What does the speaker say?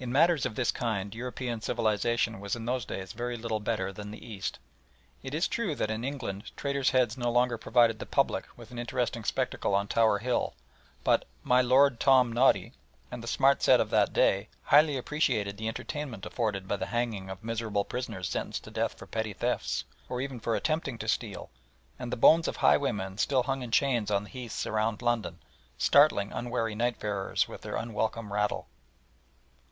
In matters of this kind European civilisation was in those days very little better than the East. It is true that in England traitors' heads no longer provided the public with an interesting spectacle on Tower Hill, but "My Lord Tom Noddy," and the smart set of that day, highly appreciated the entertainment afforded by the hanging of miserable prisoners sentenced to death for petty thefts, or even for attempting to steal, and the bones of highwaymen still hung in chains on the heaths around London, startling unwary nightfarers with their unwelcome rattle.